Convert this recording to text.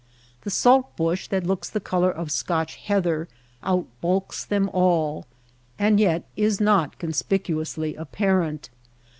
The salt bush that looks the color of Scotch heather, out bulks them all ; and yet is not conspicuously apparent.